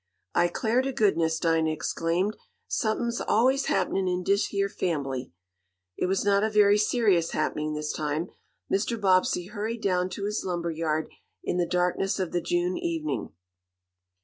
"I 'clar t' goodness!" Dinah exclaimed. "Suffin's always happenin' in dish yeah fambily." It was not a very serious happening this time. Mr. Bobbsey hurried down to his lumber yard in the darkness of the June evening.